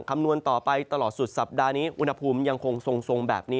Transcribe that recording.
คำนวณต่อไปตลอดสุดสัปดาห์นี้อุณหภูมิยังคงทรงแบบนี้